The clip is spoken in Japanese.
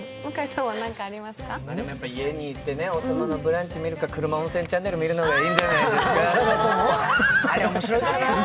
家にいて、「王様のブランチ」を見るか、「車温泉チャンネル」見るしかないんじゃないですか。